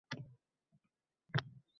Shu kecha tun yil bo‘lib ketdi